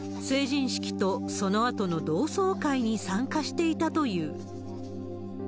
成人式とそのあとの同窓会に参加していたという。